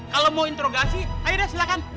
kalau mau interogasi ayo deh silahkan